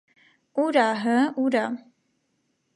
- Ո՞ւր ա, հը՜, ո՞ւր ա.